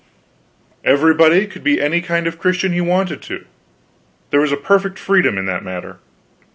Everybody could be any kind of a Christian he wanted to; there was perfect freedom in that matter.